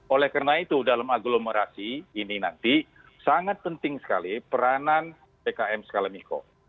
oleh karena itu dalam agglomerasi ini nanti sangat penting sekali peranan pkm skala mikro